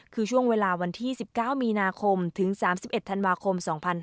คือช่วงเวลาวันที่๑๙มีนาคมถึง๓๑ธันวาคม๒๕๕๙